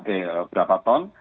eh berapa tahun